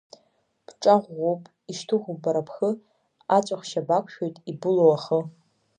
Бҿа ӷәӷәоуп, ишьҭыхуп бара бхы, аҵәахшьа бақәшәоит ибылоу ахы.